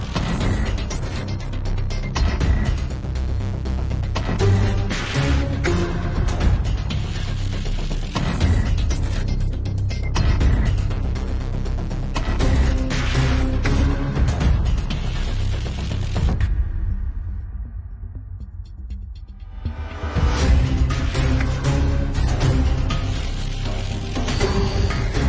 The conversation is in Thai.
ไก่ไก่ไก่ไก่ไก่